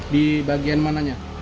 di bagian mananya